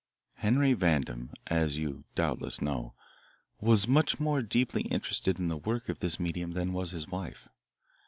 Henry Vandam, as you doubtless know, was much more deeply interested in the work of this medium than was his wife.